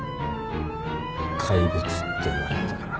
怪物って言われてたから。